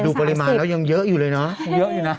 แต่ดูปริมาณแล้วยังเยอะอยู่เลยเนาะ